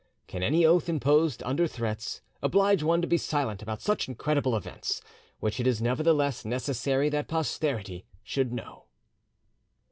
Can any oath imposed under threats oblige one to be silent about such incredible events, which it is nevertheless necessary that posterity should know?